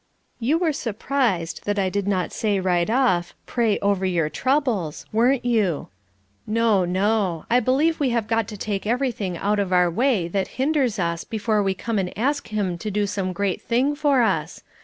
"You were surprised that I did not say right off, 'Pray over your troubles,' weren't you? No, no! I believe we have got to take everything out of our way that hinders us before we come and ask him to do some great thing for us.